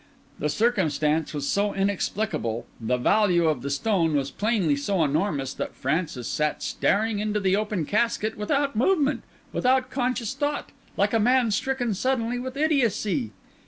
The circumstance was so inexplicable, the value of the stone was plainly so enormous, that Francis sat staring into the open casket without movement, without conscious thought, like a man stricken suddenly with idiocy.